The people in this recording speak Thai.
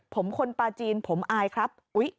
ผมคนปลาจีนผมอายครับ